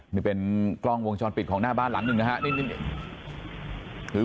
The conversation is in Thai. มีเป็นกล้องวงช้อนปิดของหน้าบ้านหนึ่ง